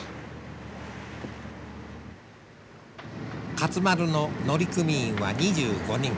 勝丸の乗組員は２５人。